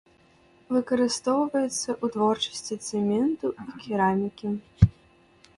Выкарыстоўваецца ў вытворчасці цэменту і керамікі.